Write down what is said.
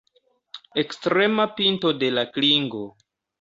Ekstrema pinto de la klingo.